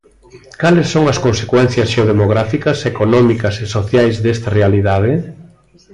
Cales son as consecuencias xeodemográficas, económicas e sociais desta realidade?